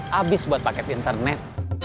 habis buat paket internet